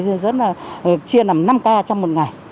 rất là chia làm năm ca trong một ngày